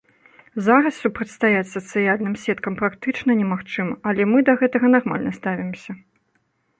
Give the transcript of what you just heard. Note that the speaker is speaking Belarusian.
Зараз супрацьстаяць сацыяльным сеткам практычна немагчыма, але мы да гэтага нармальна ставімся.